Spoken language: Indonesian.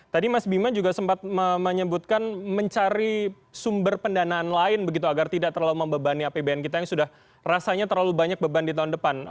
tadi mas bima juga sempat menyebutkan mencari sumber pendanaan lain begitu agar tidak terlalu membebani apbn kita yang sudah rasanya terlalu banyak beban di tahun depan